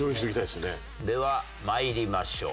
ではまいりましょう。